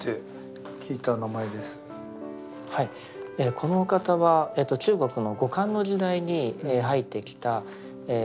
この方は中国の後漢の時代に入ってきた安息国。